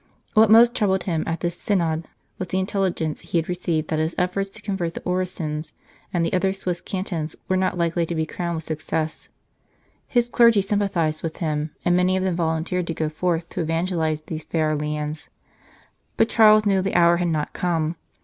What most troubled him at this synod was the intelligence he had received that his efforts to convert the Orisons and the other Swiss cantons were not likely to be crowned with success. His clergy sympathized with him, and many of them volunteered to go forth to evangelize these fair lands. But Charles knew the hour had not come.